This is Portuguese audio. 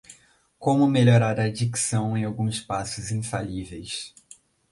Como melhorar a dicção em alguns passos infalíveis